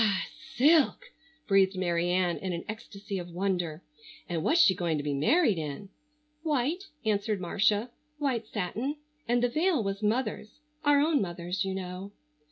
silk!" breathed Mary Ann in an ecstasy of wonder. "And what's she going to be married in?" "White," answered Marcia, "white satin. And the veil was mother's—our own mother's, you know."